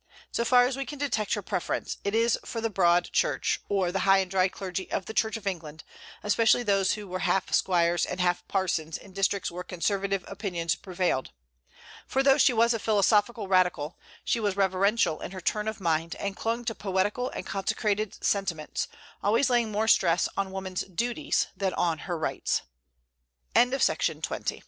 So far as we can detect her preference, it is for the Broad Church, or the "high and dry" clergy of the Church of England, especially those who were half squires and half parsons in districts where conservative opinions prevailed; for though she was a philosophical radical, she was reverential in her turn of mind, and clung to poetical and consecrated sentiments, always laying more stress on woman's duties than on her rights. The second of the Clerical